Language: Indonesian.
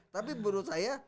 tapi menurut saya